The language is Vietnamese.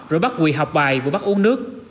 rồi bắt quỳ học bài và bắt uống nước